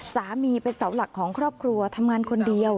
สามีเป็นเสาหลักของครอบครัวทำงานคนเดียว